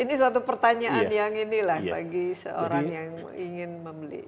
ini suatu pertanyaan yang ini lah bagi seorang yang ingin membeli